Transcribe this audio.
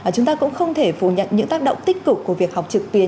chúng ta cũng không thể phủ nhận những tác động tích cực của việc học trực tuyến